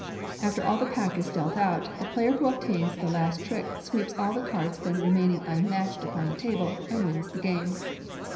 After all the pack is dealt out, the player who obtains the last trick sweeps all the cards then remaining unmatched upon the table and wins the game.